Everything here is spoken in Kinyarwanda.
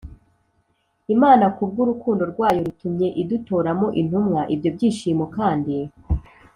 imana ku bw’urukundo rwayo rutumye idutoramo intumwa. ibyo byishimo kandi